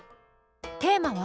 テーマは？